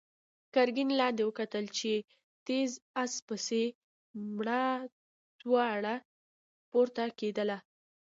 ګرګين لاندې وکتل، په تېز آس پسې مړه دوړه پورته کېدله.